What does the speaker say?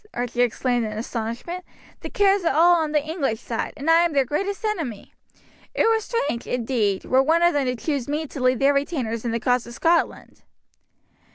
Archie exclaimed in astonishment. "The Kerrs are all on the English side, and I am their greatest enemy. It were strange, indeed, were one of them to choose me to lead their retainers in the cause of Scotland."